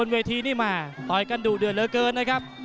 เวทีนี่แม่ต่อยกันดุเดือดเหลือเกินนะครับ